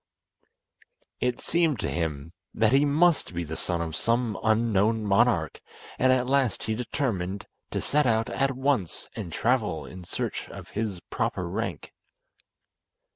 It seemed to him that he must be the son of some unknown monarch, and at last he determined to set out at once and travel in search of his proper rank.